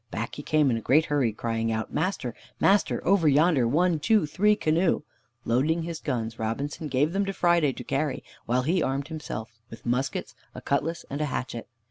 Back he came in a great hurry, crying out, "Master! Master! over yonder, one, two, three canoe." Loading his guns, Robinson gave them to Friday to carry, while he armed himself with muskets, a cutlass, and a hatchet.